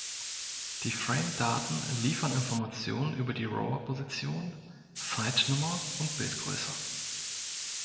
Die Frame-Daten liefern Informationen über die Rover-Position, Site-Nummer und Bildgröße.